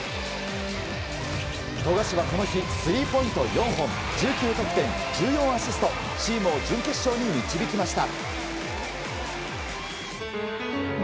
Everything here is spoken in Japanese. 富樫はこの日スリーポイントを４本１９得点、１４アシストチームを準決勝に導きました。